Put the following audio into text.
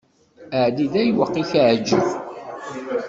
Ɛeddi-d ayweq i ak-iɛǧeb.